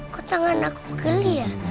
kok tangan aku geli ya